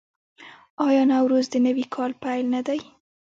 آیا نوروز د نوي کال پیل نه دی؟